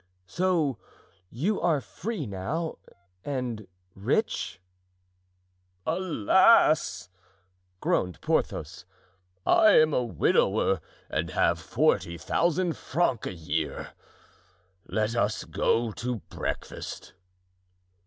"So you are free now, and rich?" "Alas!" groaned Porthos, "I am a widower and have forty thousand francs a year. Let us go to breakfast."